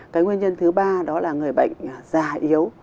cái nguyên nhân thứ ba đó là người bệnh già yếu